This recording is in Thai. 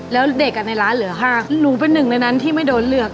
แล้วเด็กในร้านเหลือ๕หนูเป็นหนึ่งในนั้นที่ไม่โดนเลือก